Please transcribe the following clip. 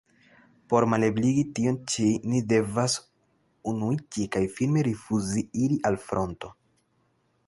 Por malebligi tion ĉi, ni devas unuiĝi kaj firme rifuzi iri al fronto.